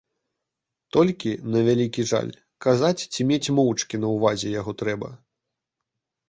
Толькі, на вялікі жаль, казаць ці мець моўчкі на ўвазе яго трэба.